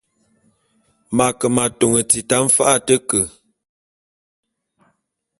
M’ake m’atôn tita mfa’a a te ke.